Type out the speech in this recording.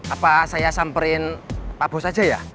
apa saya samperin pak bos aja ya